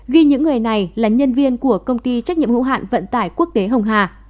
ghi những người này là nhân viên của công ty trách nhiệm hữu hạn vận tải quốc tế hồng hà